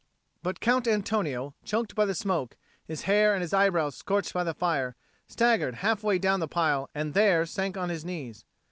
But Count Antonio, choked by the smoke, his hair and his eyebrows scorched by the fire, staggered half way down the pile and there sank on his knees.